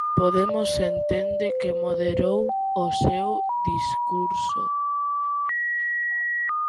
Podemos entende que moderou o seu discurso.